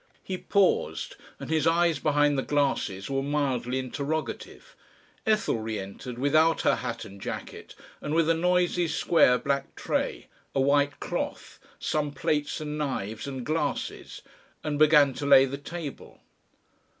He paused, and his eyes behind the glasses were mildly interrogative. Ethel re entered without her hat and jacket, and with a noisy square black tray, a white cloth, some plates and knives and glasses, and began to lay the table.